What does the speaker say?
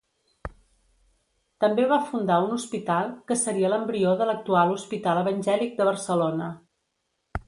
També va fundar un hospital, que seria l'embrió de l'actual Hospital Evangèlic de Barcelona.